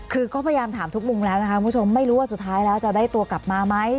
คือก็พยายามถามทุกมุมแล้วนะคะคุณผู้ชมไม่รู้ว่าสุดท้ายแล้วจะได้ตัวกลับมาไหม